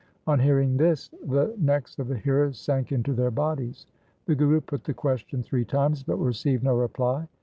' On hearing this the necks of the hearers sank into their bodies. The Guru put the question three times, but received no reply.